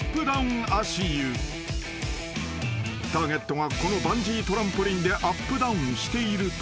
［ターゲットがこのバンジートランポリンでアップダウンしていると］